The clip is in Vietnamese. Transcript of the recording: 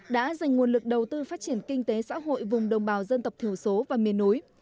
đã dành nguồn lực đầu tư phát triển kinh tế xã hội vùng đồng bào dân tộc thiểu số và miền núi